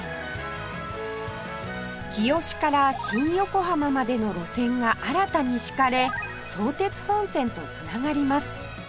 日吉から新横浜までの路線が新たに敷かれ相鉄本線と繋がります